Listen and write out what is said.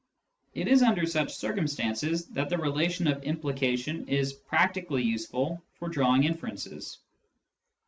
It is under such circum stances that the relation of implication is practically useful for drawing inferences.